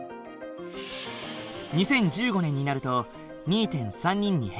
２０１５年になると２．３人に減る。